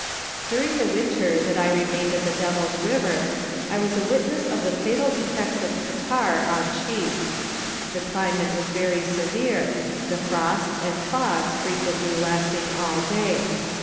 During the winter that I remained at the Devil's RiA r er, I was a witness of the fatal effects of catarrh in sheep. The climate was very severe, the frosts and fogs frequently lasting all day.